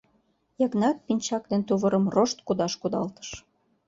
— Йыгнат пинчак ден тувырым рошт кудаш кудалтыш.